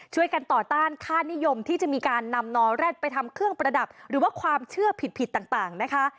ช่วยกันต่อต้านค่านิยมที่จะมีการนำนอแร็ดไปทำเครื่องประดับหรือว่าความเชื่อผิดต่างนะคะ